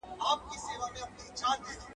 • چي هوسۍ نيسي د هغو تازيانو خولې توري وي.